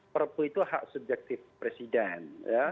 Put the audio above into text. perpu itu hak subjektif presiden